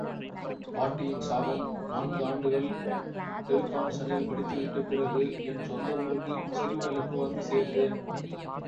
பாட்டியின் சாபம் நான்கு ஆண்டுகள் டெலுக்கான்சனில் படித்துவிட்டு பிறகு, என் சொந்த ஊருக்கு சிறுவயலுக்கு வந்து சேர்ந்தேன்.